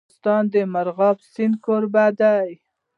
افغانستان د مورغاب سیند کوربه دی.